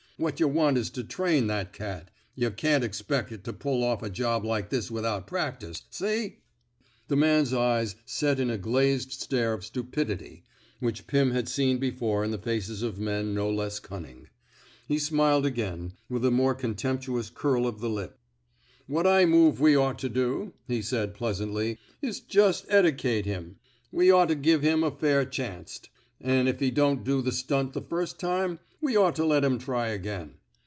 What yuh want is to train that cat. Yuh can't expec' it to pull off a job like this without practice. See! " The man's eyes set in a glazed stare of stupidity, which Pim had seen before in the faces of men no less cunning. He smiled 80 ON CIECUMSTANTIAL EVIDENCE again, with a more contemptuous curl of the lip. ^' What I move we ought to do,'' he said, pleasantly, ^^ is jus' edacate him. We ought to give him a fair chanst. An' if he don't do the stunt the firs' time, we ought to let him try again.